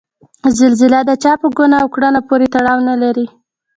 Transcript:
زلزله د چا په ګناه او کړنه پورې تړاو نلري.